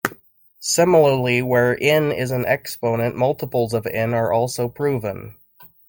Similarly, where "n" is an exponent, multiples of "n" are also proven.